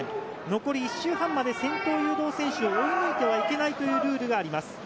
残り１周半まで先頭誘導選手を追い抜いてはいけないというルールがあります。